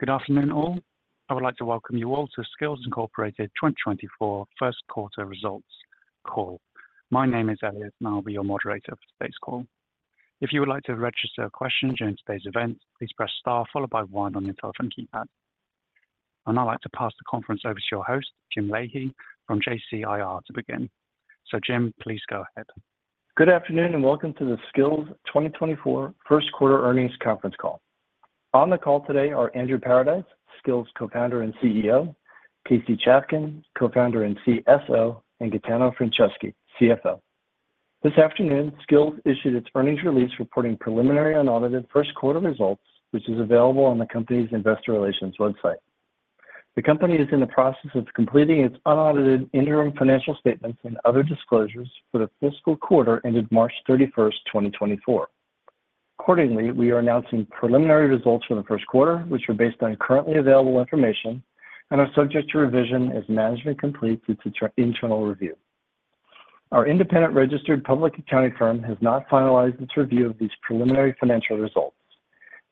Good afternoon, all. I would like to welcome you all to Skillz Incorporated 2024 First Quarter Results Call. My name is Eliot, and I'll be your moderator for today's call. If you would like to register a question during today's event, please press star followed by one on your telephone keypad. I'd like to pass the conference over to your host, Jim Leahy, from JCIR to begin. Jim, please go ahead. Good afternoon and welcome to the Skillz 2024 First Quarter Earnings Conference Call. On the call today are Andrew Paradise, Skillz co-founder and CEO; Casey Chafkin, co-founder and CSO; and Gaetano Franceschi, CFO. This afternoon, Skillz issued its earnings release reporting preliminary unaudited first quarter results, which is available on the company's investor relations website. The company is in the process of completing its unaudited interim financial statements and other disclosures for the fiscal quarter ended March 31st, 2024. Accordingly, we are announcing preliminary results for the first quarter, which are based on currently available information and are subject to revision as management completes its internal review. Our independent registered public accounting firm has not finalized its review of these preliminary financial results.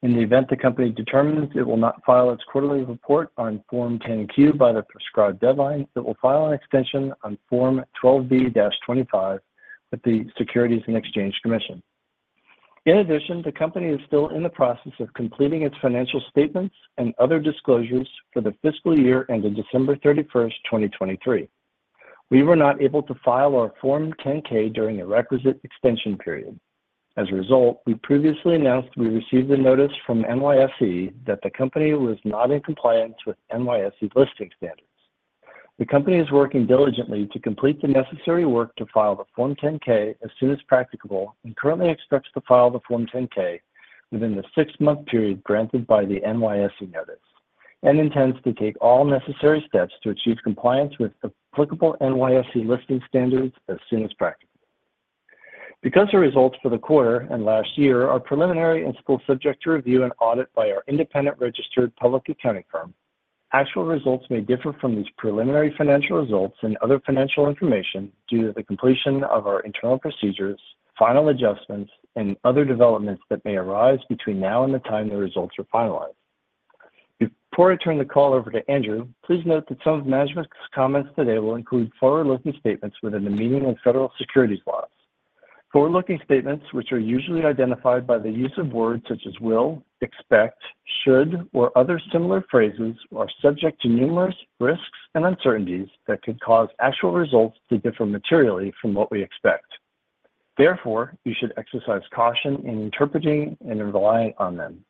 In the event the company determines it will not file its quarterly report on Form 10-Q by the prescribed deadline, it will file an extension on Form 12B-25 with the Securities and Exchange Commission. In addition, the company is still in the process of completing its financial statements and other disclosures for the fiscal year ended December 31st, 2023. We were not able to file our Form 10-K during the requisite extension period. As a result, we previously announced we received a notice from NYSE that the company was not in compliance with NYSE listing standards. The company is working diligently to complete the necessary work to file the Form 10-K as soon as practicable and currently expects to file the Form 10-K within the six-month period granted by the NYSE notice, and intends to take all necessary steps to achieve compliance with applicable NYSE listing standards as soon as practicable. Because the results for the quarter and last year are preliminary and still subject to review and audit by our independent registered public accounting firm, actual results may differ from these preliminary financial results and other financial information due to the completion of our internal procedures, final adjustments, and other developments that may arise between now and the time the results are finalized. Before I turn the call over to Andrew, please note that some of management's comments today will include forward-looking statements within the meaning of federal securities laws. Forward-looking statements, which are usually identified by the use of words such as will, expect, should, or other similar phrases, are subject to numerous risks and uncertainties that could cause actual results to differ materially from what we expect. Therefore, you should exercise caution in interpreting and relying on them.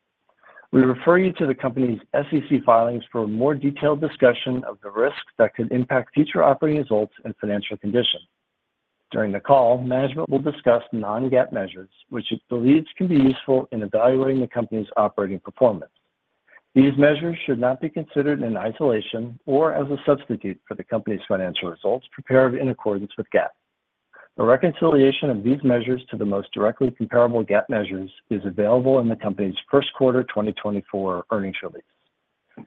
We refer you to the company's SEC filings for a more detailed discussion of the risks that could impact future operating results and financial conditions. During the call, management will discuss non-GAAP measures, which it believes can be useful in evaluating the company's operating performance. These measures should not be considered in isolation or as a substitute for the company's financial results prepared in accordance with GAAP. A reconciliation of these measures to the most directly comparable GAAP measures is available in the company's First Quarter 2024 Earnings release.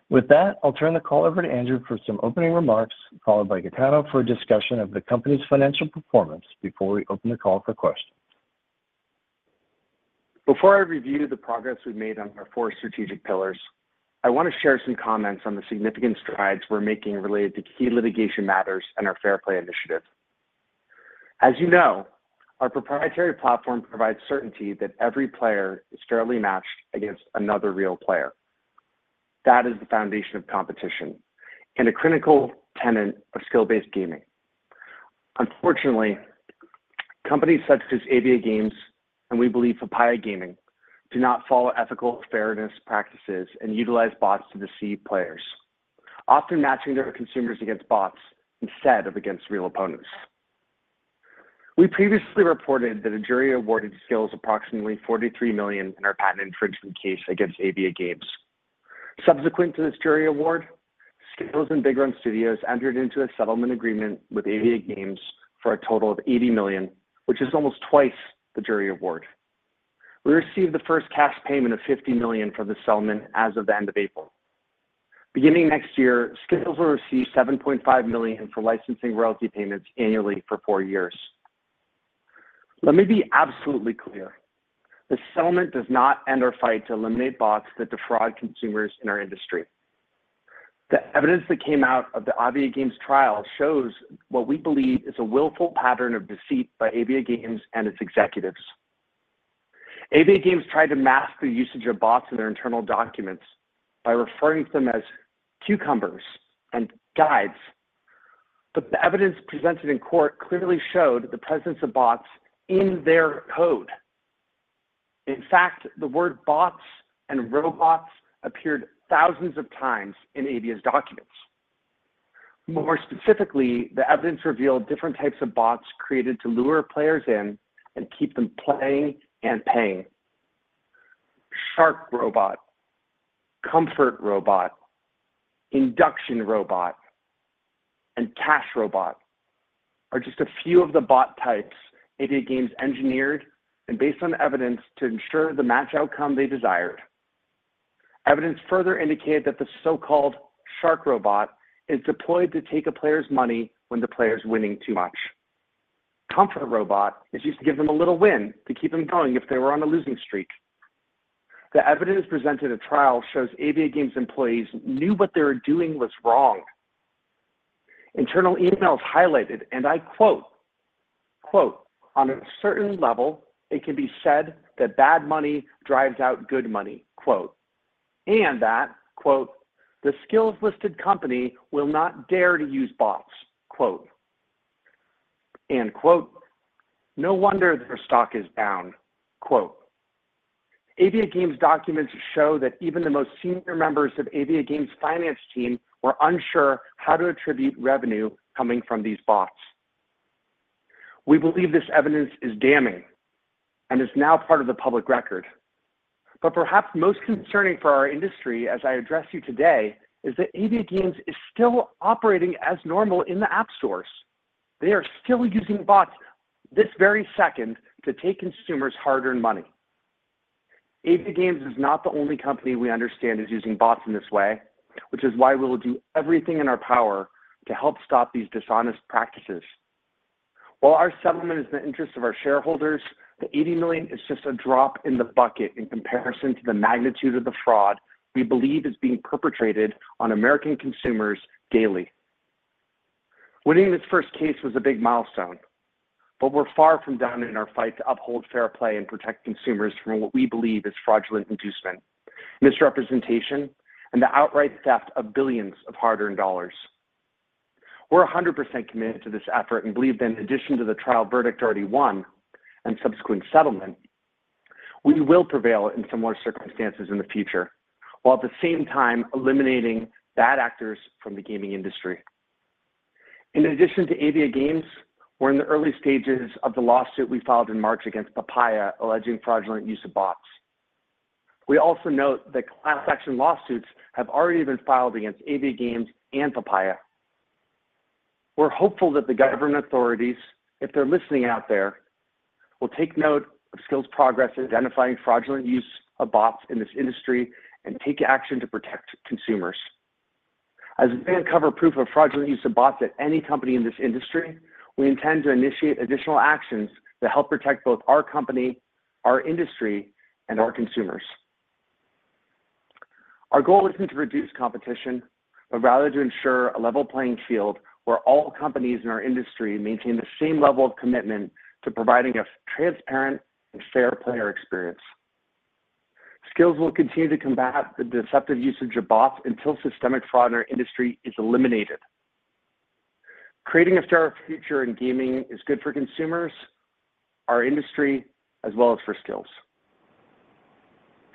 With that, I'll turn the call over to Andrew for some opening remarks, followed by Gaetano for a discussion of the company's financial performance before we open the call for questions. Before I review the progress we've made on our four strategic pillars, I want to share some comments on the significant strides we're making related to key litigation matters and our Fair Play Initiative. As you know, our proprietary platform provides certainty that every player is fairly matched against another real player. That is the foundation of competition and a critical tenet of skill-based gaming. Unfortunately, companies such as AviaGames and we believe Papaya Gaming do not follow ethical fairness practices and utilize bots to deceive players, often matching their consumers against bots instead of against real opponents. We previously reported that a jury awarded Skillz approximately $43 million in our patent infringement case against AviaGames. Subsequent to this jury award, Skillz and Big Run Studios entered into a settlement agreement with AviaGames for a total of $80 million, which is almost twice the jury award. We received the first cash payment of $50 million from the settlement as of the end of April. Beginning next year, Skillz will receive $7.5 million for licensing royalty payments annually for four years. Let me be absolutely clear. This settlement does not end our fight to eliminate bots that defraud consumers in our industry. The evidence that came out of the AviaGames trial shows what we believe is a willful pattern of deceit by AviaGames and its executives. AviaGames tried to mask the usage of bots in their internal documents by referring to them as cucumbers and guides, but the evidence presented in court clearly showed the presence of bots in their code. In fact, the word bots and robots appeared thousands of times in AviaGames's documents. More specifically, the evidence revealed different types of bots created to lure players in and keep them playing and paying. Shark robot, comfort robot, induction robot, and cash robot are just a few of the bot types AviaGames engineered and based on evidence to ensure the match outcome they desired. Evidence further indicated that the so-called shark robot is deployed to take a player's money when the player's winning too much. Comfort robot is used to give them a little win to keep them going if they were on a losing streak. The evidence presented at trial shows AviaGames employees knew what they were doing was wrong. Internal emails highlighted, and I quote, "On a certain level, it can be said that bad money drives out good money," and that, "The Skillz listed company will not dare to use bots," and, "No wonder their stock is down." AviaGames documents show that even the most senior members of AviaGames' finance team were unsure how to attribute revenue coming from these bots. We believe this evidence is damning and is now part of the public record. But perhaps most concerning for our industry, as I address you today, is that AviaGames is still operating as normal in the app stores. They are still using bots this very second to take consumers' hard-earned money. AviaGames is not the only company we understand is using bots in this way, which is why we will do everything in our power to help stop these dishonest practices. While our settlement is in the interest of our shareholders, the $80 million is just a drop in the bucket in comparison to the magnitude of the fraud we believe is being perpetrated on American consumers daily. Winning this first case was a big milestone, but we're far from done in our fight to uphold Fair Play and protect consumers from what we believe is fraudulent inducement, misrepresentation, and the outright theft of billions of hard-earned dollars. We're 100% committed to this effort and believe that in addition to the trial verdict already won and subsequent settlement, we will prevail in similar circumstances in the future while at the same time eliminating bad actors from the gaming industry. In addition to AviaGames, we're in the early stages of the lawsuit we filed in March against Papaya alleging fraudulent use of bots. We also note that class action lawsuits have already been filed against AviaGames and Papaya. We're hopeful that the government authorities, if they're listening out there, will take note of Skillz's progress in identifying fraudulent use of bots in this industry and take action to protect consumers. As we can't cover proof of fraudulent use of bots at any company in this industry, we intend to initiate additional actions to help protect both our company, our industry, and our consumers. Our goal isn't to reduce competition, but rather to ensure a level playing field where all companies in our industry maintain the same level of commitment to providing a transparent and fair player experience. Skillz will continue to combat the deceptive usage of bots until systemic fraud in our industry is eliminated. Creating a fairer future in gaming is good for consumers, our industry, as well as for Skillz.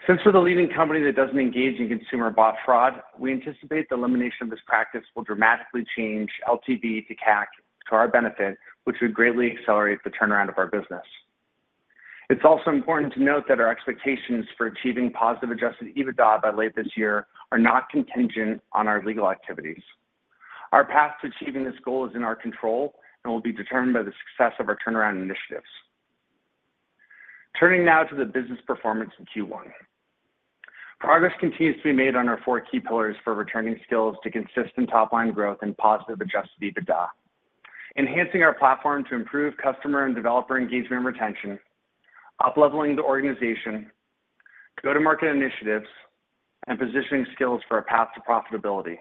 Since we're the leading company that doesn't engage in consumer bot fraud, we anticipate the elimination of this practice will dramatically change LTV to CAC to our benefit, which would greatly accelerate the turnaround of our business. It's also important to note that our expectations for achieving positive Adjusted EBITDA by late this year are not contingent on our legal activities. Our path to achieving this goal is in our control and will be determined by the success of our turnaround initiatives. Turning now to the business performance in Q1. Progress continues to be made on our four key pillars for returning Skillz to consistent top-line growth and positive Adjusted EBITDA: enhancing our platform to improve customer and developer engagement and retention, upleveling the organization, go-to-market initiatives, and positioning Skillz for a path to profitability.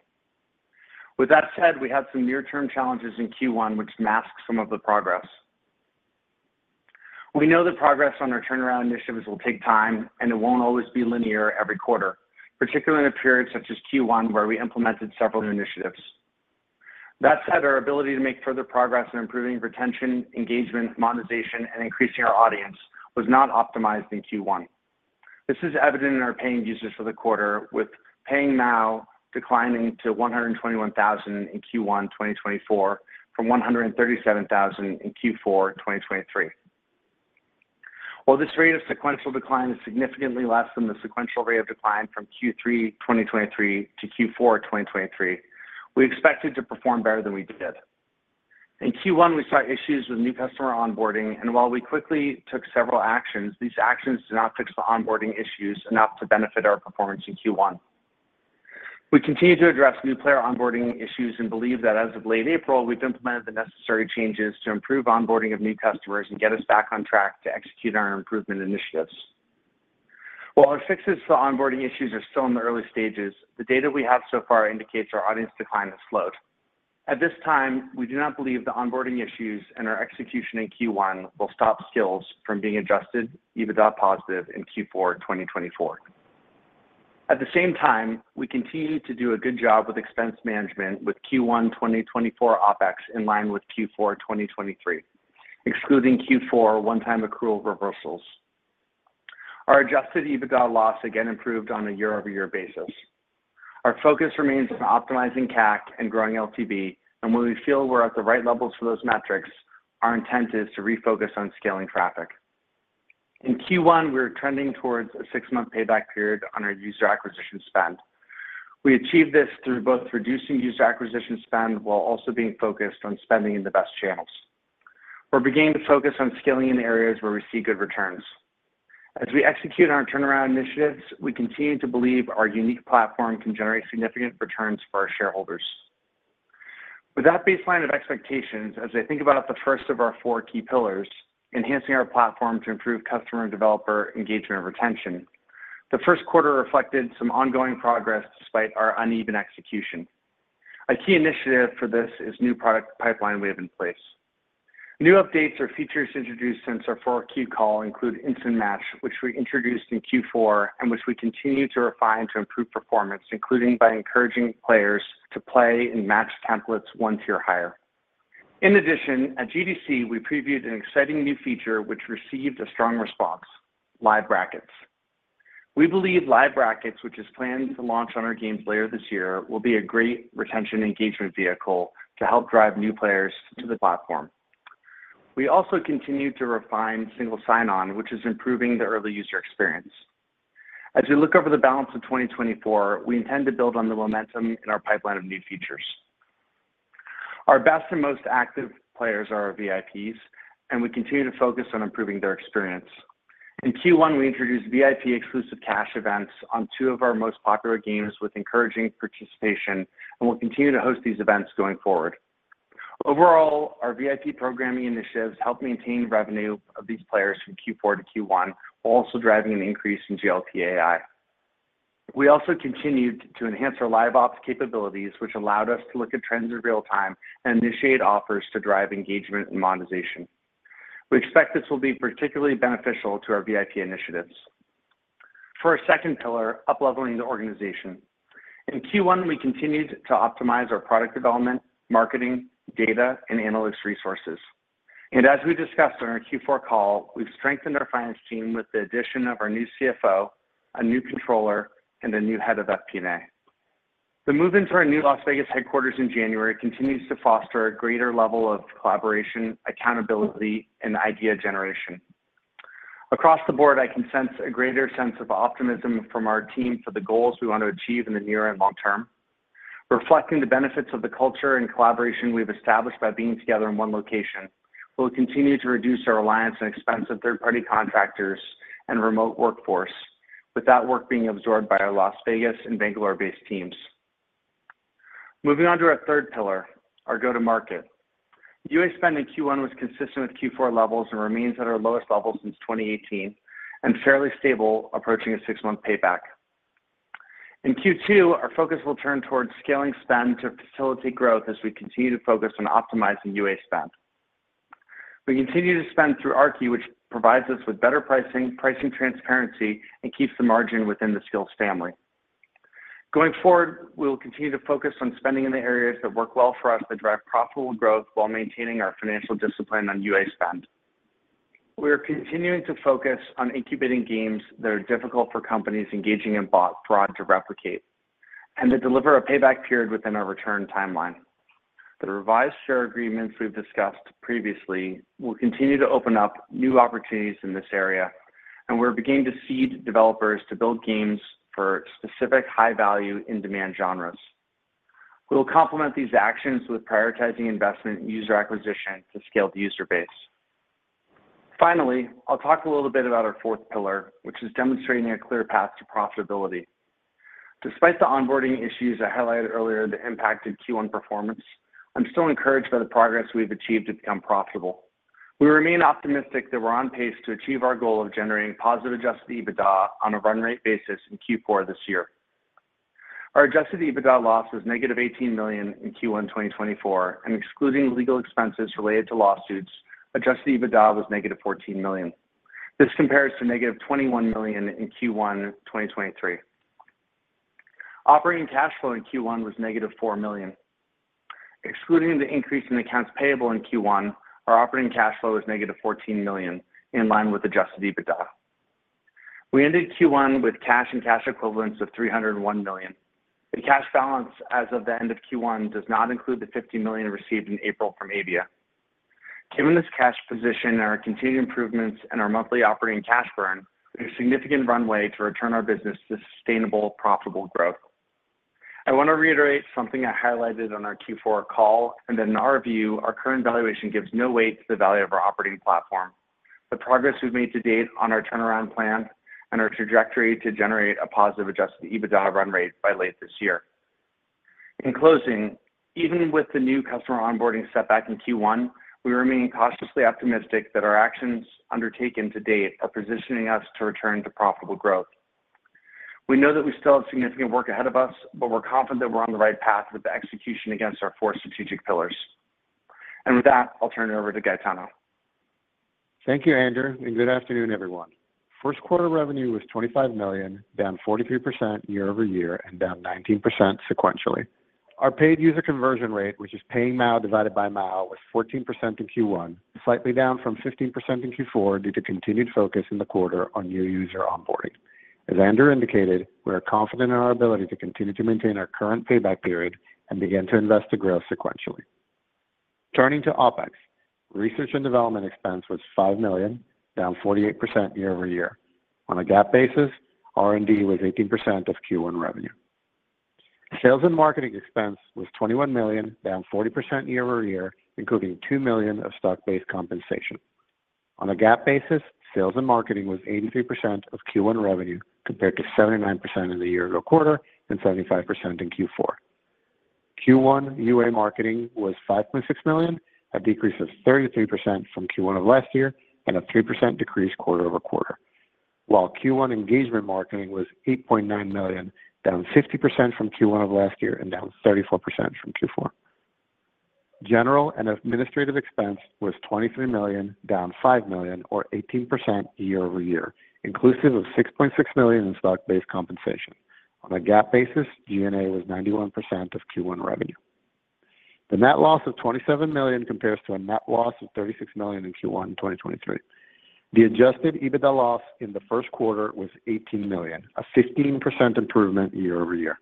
With that said, we had some near-term challenges in Q1 which masked some of the progress. We know that progress on our turnaround initiatives will take time, and it won't always be linear every quarter, particularly in a period such as Q1 where we implemented several new initiatives. That said, our ability to make further progress in improving retention, engagement, monetization, and increasing our audience was not optimized in Q1. This is evident in our paying users for the quarter, with paying now declining to 121,000 in Q1 2024 from 137,000 in Q4 2023. While this rate of sequential decline is significantly less than the sequential rate of decline from Q3 2023 to Q4 2023, we expected to perform better than we did. In Q1, we saw issues with new customer onboarding, and while we quickly took several actions, these actions did not fix the onboarding issues enough to benefit our performance in Q1. We continue to address new player onboarding issues and believe that as of late April, we've implemented the necessary changes to improve onboarding of new customers and get us back on track to execute our improvement initiatives. While our fixes for onboarding issues are still in the early stages, the data we have so far indicates our audience decline has slowed. At this time, we do not believe the onboarding issues and our execution in Q1 will stop Skillz from being Adjusted EBITDA positive in Q4 2024. At the same time, we continue to do a good job with expense management with Q1 2024 OpEx in line with Q4 2023, excluding Q4 one-time accrual reversals. Our Adjusted EBITDA loss again improved on a year-over-year basis. Our focus remains on optimizing CAC and growing LTV, and when we feel we're at the right levels for those metrics, our intent is to refocus on scaling traffic. In Q1, we're trending towards a six-month payback period on our user acquisition spend. We achieved this through both reducing user acquisition spend while also being focused on spending in the best channels. We're beginning to focus on scaling in areas where we see good returns. As we execute our turnaround initiatives, we continue to believe our unique platform can generate significant returns for our shareholders. With that baseline of expectations, as I think about the first of our four key pillars: enhancing our platform to improve customer and developer engagement and retention, the first quarter reflected some ongoing progress despite our uneven execution. A key initiative for this is new product pipeline we have in place. New updates or features introduced since our fourth Q call include Instant Match, which we introduced in Q4 and which we continue to refine to improve performance, including by encouraging players to play in match templates one tier higher. In addition, at GDC, we previewed an exciting new feature which received a strong response: Live Bracketz. We believe Live Bracketz, which is planned to launch on our games later this year, will be a great retention engagement vehicle to help drive new players to the platform. We also continue to refine Single Sign-On, which is improving the early user experience. As we look over the balance of 2024, we intend to build on the momentum in our pipeline of new features. Our best and most active players are our VIPs, and we continue to focus on improving their experience. In Q1, we introduced VIP-exclusive cash events on two of our most popular games with encouraging participation, and we'll continue to host these events going forward. Overall, our VIP programming initiatives help maintain revenue of these players from Q4 to Q1 while also driving an increase in GLP AI. We also continued to enhance our live ops capabilities, which allowed us to look at trends in real time and initiate offers to drive engagement and monetization. We expect this will be particularly beneficial to our VIP initiatives. For our second pillar, upleveling the organization. In Q1, we continued to optimize our product development, marketing, data, and analyst resources. As we discussed on our Q4 call, we've strengthened our finance team with the addition of our new CFO, a new controller, and a new head of FP&A. The move into our new Las Vegas headquarters in January continues to foster a greater level of collaboration, accountability, and idea generation. Across the board, I can sense a greater sense of optimism from our team for the goals we want to achieve in the near and long term. Reflecting the benefits of the culture and collaboration we've established by being together in one location, we'll continue to reduce our reliance on expensive third-party contractors and remote workforce, with that work being absorbed by our Las Vegas and Bangalore-based teams. Moving on to our third pillar, our go-to-market. UA spend in Q1 was consistent with Q4 levels and remains at our lowest level since 2018 and fairly stable, approaching a six-month payback. In Q2, our focus will turn towards scaling spend to facilitate growth as we continue to focus on optimizing UA spend. We continue to spend through Aarki, which provides us with better pricing, pricing transparency, and keeps the margin within the Skillz family. Going forward, we will continue to focus on spending in the areas that work well for us to drive profitable growth while maintaining our financial discipline on UA spend. We are continuing to focus on incubating games that are difficult for companies engaging in bot fraud to replicate and to deliver a payback period within our return timeline. The revised share agreements we've discussed previously will continue to open up new opportunities in this area, and we're beginning to seed developers to build games for specific high-value in-demand genres. We'll complement these actions with prioritizing investment and user acquisition to scale the user base. Finally, I'll talk a little bit about our fourth pillar, which is demonstrating a clear path to profitability. Despite the onboarding issues I highlighted earlier that impacted Q1 performance, I'm still encouraged by the progress we've achieved to become profitable. We remain optimistic that we're on pace to achieve our goal of generating positive Adjusted EBITDA on a run-rate basis in Q4 this year. Our Adjusted EBITDA loss was negative $18 million in Q1 2024, and excluding legal expenses related to lawsuits, Adjusted EBITDA was negative $14 million. This compares to negative $21 million in Q1 2023. Operating cash flow in Q1 was negative $4 million. Excluding the increase in accounts payable in Q1, our operating cash flow is negative $14 million in line with Adjusted EBITDA. We ended Q1 with cash and cash equivalents of $301 million. The cash balance as of the end of Q1 does not include the $50 million received in April from Avia. Given this cash position and our continued improvements and our monthly operating cash burn, we have significant runway to return our business to sustainable, profitable growth. I want to reiterate something I highlighted on our Q4 call and that in our view, our current valuation gives no weight to the value of our operating platform, the progress we've made to date on our turnaround plan, and our trajectory to generate a positive Adjusted EBITDA run-rate by late this year. In closing, even with the new customer onboarding setback in Q1, we remain cautiously optimistic that our actions undertaken to date are positioning us to return to profitable growth. We know that we still have significant work ahead of us, but we're confident that we're on the right path with the execution against our four strategic pillars. With that, I'll turn it over to Gaetano. Thank you, Andrew, and good afternoon, everyone. First quarter revenue was $25 million, down 43% year-over-year and down 19% sequentially. Our paid user conversion rate, which is paying MAU divided by MAU, was 14% in Q1, slightly down from 15% in Q4 due to continued focus in the quarter on new user onboarding. As Andrew indicated, we are confident in our ability to continue to maintain our current payback period and begin to invest to grow sequentially. Turning to OpEx, research and development expense was $5 million, down 48% year-over-year. On a GAAP basis, R&D was 18% of Q1 revenue. Sales and marketing expense was $21 million, down 40% year-over-year, including $2 million of stock-based compensation. On a GAAP basis, sales and marketing was 83% of Q1 revenue compared to 79% in the year-ago quarter and 75% in Q4. Q1 UA marketing was $5.6 million, a decrease of 33% from Q1 of last year and a 3% decrease quarter-over-quarter, while Q1 engagement marketing was $8.9 million, down 50% from Q1 of last year and down 34% from Q4. General and administrative expense was $23 million, down $5 million or 18% year-over-year, inclusive of $6.6 million in stock-based compensation. On a GAAP basis, G&A was 91% of Q1 revenue. The net loss of $27 million compares to a net loss of $36 million in Q1 2023. The adjusted EBITDA loss in the first quarter was $18 million, a 15% improvement year-over-year.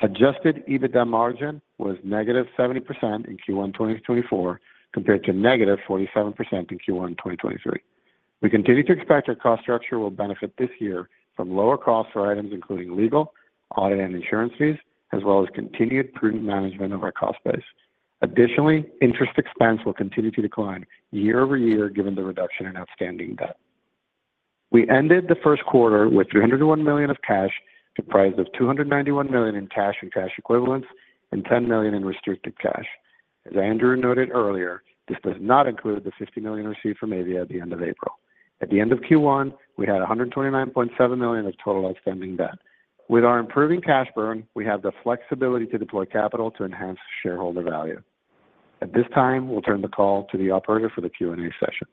Adjusted EBITDA margin was -70% in Q1 2024 compared to -47% in Q1 2023. We continue to expect our cost structure will benefit this year from lower costs for items including legal, audit, and insurance fees, as well as continued prudent management of our cost base. Additionally, interest expense will continue to decline year-over-year given the reduction in outstanding debt. We ended the first quarter with $301 million of cash comprised of $291 million in cash and cash equivalents and $10 million in restricted cash. As Andrew noted earlier, this does not include the $50 million received from Avia at the end of April. At the end of Q1, we had $129.7 million of total outstanding debt. With our improving cash burn, we have the flexibility to deploy capital to enhance shareholder value. At this time, we'll turn the call to the operator for the Q&A session.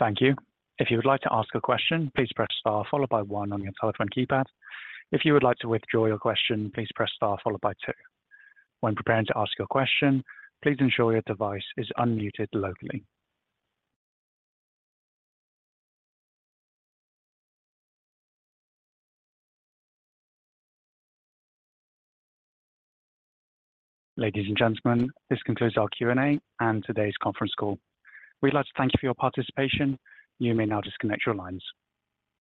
Thank you. If you would like to ask a question, please press star followed by one on your telephone keypad. If you would like to withdraw your question, please press star followed by two. When preparing to ask your question, please ensure your device is unmuted locally. Ladies and gentlemen, this concludes our Q&A and today's conference call. We'd like to thank you for your participation. You may now disconnect your lines.